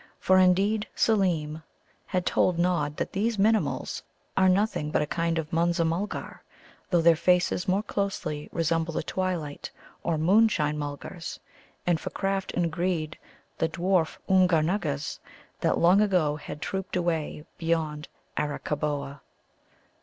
For, indeed, Seelem had told Nod that these Minimuls are nothing but a kind of Munza mulgar, though their faces more closely resemble the twilight or moonshine Mulgars, and for craft and greed the dwarf Oomgar nuggas, that long ago had trooped away beyond Arakkaboa.